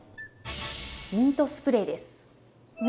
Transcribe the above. ミントスプレー？